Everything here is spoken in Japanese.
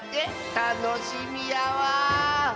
たのしみやわ。